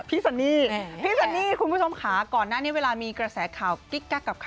พี่สนนี่คุณผู้ชมข้าก่อนหน้านี้เวลามีกระแสข่าวกิ๊กก๊ากับใคร